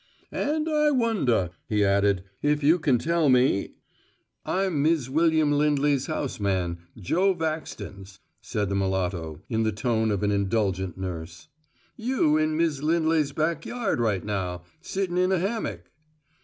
"And I wonder," he added, "if you can tell me " "I'm Miz William Lindley's house man, Joe Vaxdens," said the mulatto, in the tone of an indulgent nurse. "You in Miz Lindley's backyard right now, sittin' in a hammick."